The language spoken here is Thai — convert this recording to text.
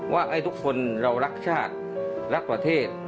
ว่าให้ทุกคนเรารักชาติรักประเทศ